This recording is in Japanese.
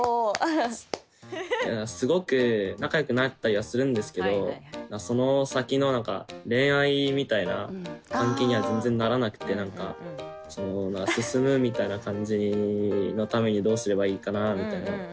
すごく仲良くなったりはするんですけどその先の何か恋愛みたいな関係には全然ならなくって何かその進むみたいな感じのためにどうすればいいかなみたいな。